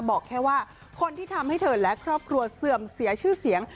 บอกแค่ว่าคนที่ทำให้เธอและครอบครัวเสื่อมเสียชื่อเสียง